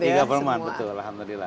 e government betul alhamdulillah